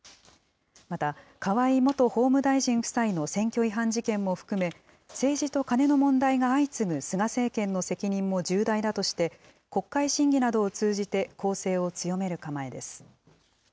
また、河井元法務大臣夫妻の選挙違反事件も含め、政治とカネの問題が相次ぐ菅政権の責任も重大だとして、国会審議などを通じて攻勢を強める構えです。